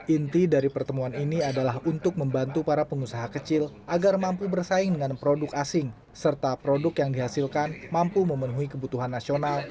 inti dari pertemuan ini adalah untuk membantu para pengusaha kecil agar mampu bersaing dengan produk asing serta produk yang dihasilkan mampu memenuhi kebutuhan nasional